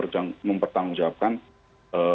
dan mempertanggung jawabkan ee